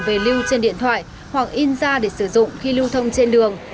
về lưu trên điện thoại hoặc in ra để sử dụng khi lưu thông trên đường